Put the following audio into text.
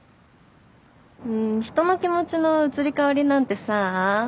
人の気持ちの移り変わりなんてさあ